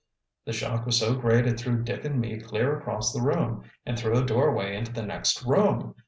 The shock was so great it threw Dick and me clear across the room, and through a doorway into the next room.